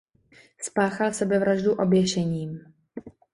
Spáchal sebevraždu oběšením.